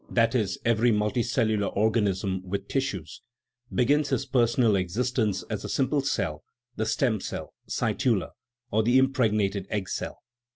every multicellular organism with tis sues), begins his personal existence as a simple cell, the stem cell (cytula), or the impregnated egg cell (see p.